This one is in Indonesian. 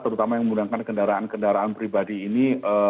terutama yang menggunakan kendaraan kendaraan pribadi ini